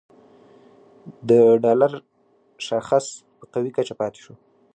د ډالر شاخص په قوي کچه پاتې شو